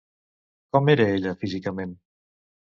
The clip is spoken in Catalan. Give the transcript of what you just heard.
Com era ella, físicament?